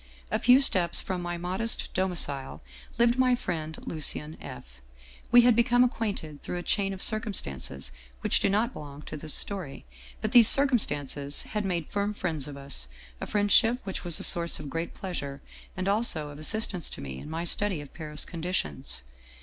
" A few steps from my modest domicile lived my friend Lucien F. We had become acquainted through a chain of circumstances which do not belong to this story, but these circumstances had made firm friends of us, a friendship which was a source of great pleasure and also of assistance to me in my study of Paris conditions.